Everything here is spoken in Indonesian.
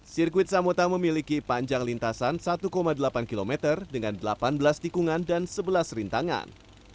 sirkuit samota memiliki panjang lintasan satu delapan km dengan delapan belas tikungan dan sebelas rintangan